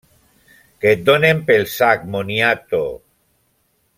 Que et donen pel sac, moniato!